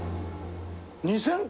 ２０００個？